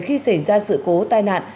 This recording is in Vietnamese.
khi xảy ra sự cố tai nạn